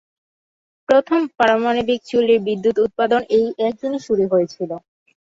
প্রথম পারমাণবিক চুল্লির বিদ্যুৎ উৎপাদন ওই একই দিনে শুরু হয়েছিল।